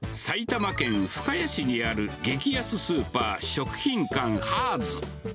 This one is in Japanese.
埼玉県深谷市にある激安スーパー、食品館ハーズ。